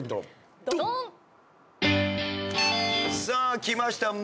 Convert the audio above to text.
さあ来ました